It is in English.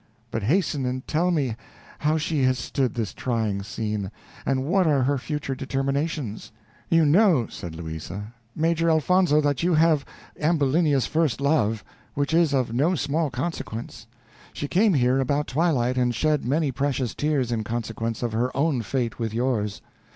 But hasten and tell me how she has stood this trying scene, and what are her future determinations." "You know," said Louisa, "Major Elfonzo, that you have Ambulinia's first love, which is of no small consequence. She came here about twilight, and shed many precious tears in consequence of her own fate with yours.